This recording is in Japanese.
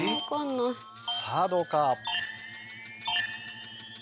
さあどうか？